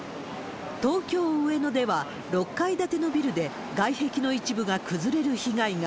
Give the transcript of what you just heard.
東京・上野では、６階建てのビルで外壁の一部が崩れる被害が。